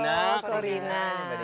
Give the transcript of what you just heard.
mbak desi ada